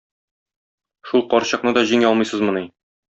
Шул карчыкны да җиңә алмыйсызмыни?